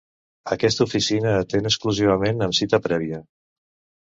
Aquesta oficina atén exclusivament amb cita prèvia.